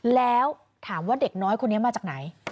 แล้วถามว่าเด็กน้อยคนนี้มาจากไหน